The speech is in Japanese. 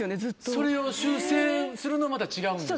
それを修正するのはまた違うんですか。